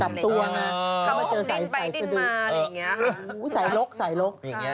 ตับตัวนะถ้ามาเจอสายชะดืออ๋อดินไปดินมาอะไรอย่างเงี้ย